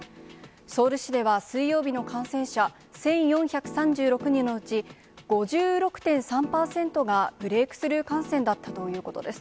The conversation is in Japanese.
ソウル市では水曜日の感染者１４３６人のうち、５６．３％がブレークスルー感染だったということです。